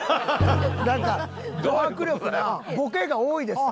なんかど迫力なボケが多いです。